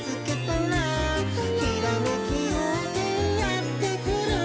「ひらめきようせいやってくる」